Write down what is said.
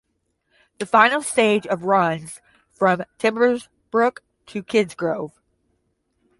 The final stage of runs from Timbersbrook to Kidsgrove.